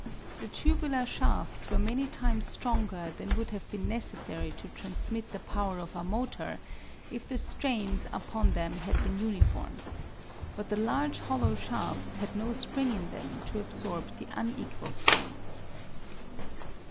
The tubular shafts were many times stronger than would have been necessary to transmit the power of our motor if the strains upon them had been uniform. But the large hollow shafts had no spring in them to absorb the unequal strains.